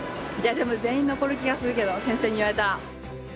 でも、全員残る気がするけど先生に言われたら。